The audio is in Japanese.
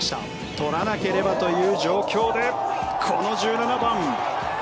取らなければという状況でこの１７番。